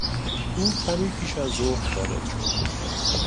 او کمی پیش از ظهر وارد شد.